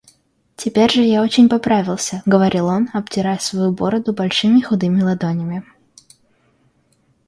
Теперь же я очень поправился, — говорил он, обтирая свою бороду большими худыми ладонями.